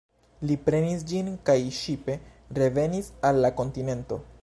Li prenis ĝin, kaj ŝipe revenis al la kontinento.